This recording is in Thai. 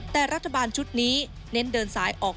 แต่รัฐบาลชุดนี้เน้นเดินสายออก